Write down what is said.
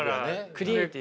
クリエイティブ。